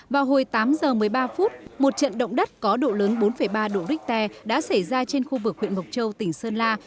vào hồi tám giờ một mươi ba phút một trận động đất có độ lớn bốn ba độ richter đã xảy ra trên khu vực huyện mộc châu tỉnh sơn la